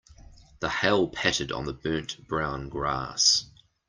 The hail pattered on the burnt brown grass.